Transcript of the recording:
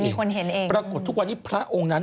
มีคนเห็นเองปรากฏทุกวันนี้พระองค์นั้น